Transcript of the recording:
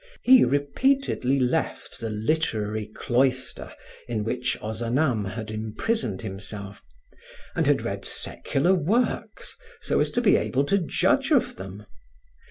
He repeatedly left the literary cloister in which Ozanam had imprisoned himself, and had read secular works so as to be able to judge of them.